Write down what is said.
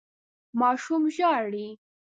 ماشوم ژاړي.